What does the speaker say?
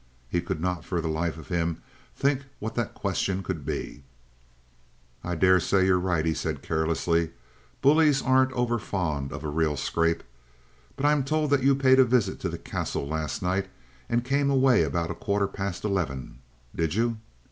He could not for the life of him think what that question could be. "I daresay you're right," he said carelessly. "Bullies aren't over fond of a real scrap. But I am told that you paid a visit to the Castle last night and came away about a quarter past eleven. Did you?"